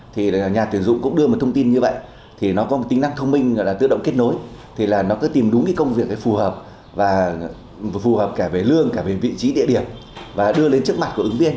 thì nhà tuyển dụng cũng đưa một thông tin như vậy thì nó có một tính năng thông minh là tự động kết nối thì nó cứ tìm đúng công việc phù hợp cả về lương cả về vị trí địa điểm và đưa lên trước mặt của ứng viên